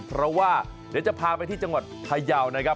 เพราะว่าเดี๋ยวจะพาไปที่จังหวัดพยาวนะครับ